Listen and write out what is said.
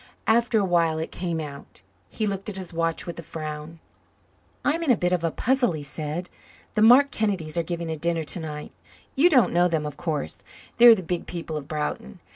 After awhile it came out. He looked at his watch with a frown. "I'm in a bit of a puzzle," he said. "The Mark Kennedys are giving a dinner to night. You don't know them, of course. They're the big people of Broughton.